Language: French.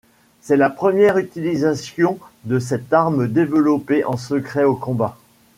C'est la première utilisation de cette arme développé en secret au combat.